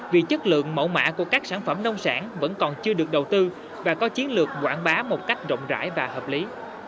vì chất lượng mẫu mã của các sản phẩm nông sản vẫn còn chưa được đầu tư và có chiến lược quảng bá một cách rộng rãi và hợp lý